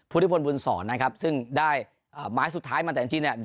พุทธิพลบุญศรนะครับซึ่งได้ไม้สุดท้ายมาแต่จริงเนี่ย